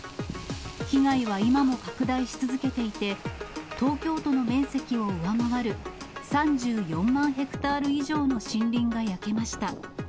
被害は今も拡大し続けていて、東京都の面積を上回る、３４万ヘクタール以上の森林が焼けました。